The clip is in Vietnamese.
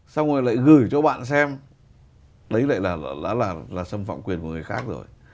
xong rồi lại gửi cho bạn xem đấy lại là xâm phạm quyền của người khác rồi